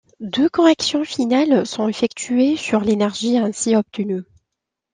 Deux corrections finales sont effectuées sur l'énergie ainsi obtenue.